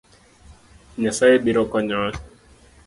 Nyasaye biro konyowa